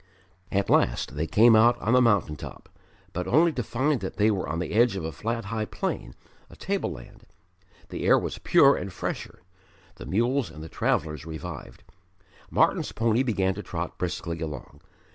At last they came out on the mountain top, but only to find that they were on the edge of a flat high plain a tableland. The air was pure and fresher; the mules and the travellers revived. Martyn's pony began to trot briskly along.